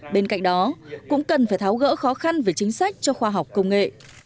bên cạnh đó cũng cần phải tháo gỡ khó khăn về chính sách cho khoa học công nghệ